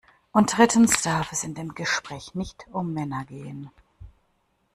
Und drittens darf es in dem Gespräch nicht um Männer gehen.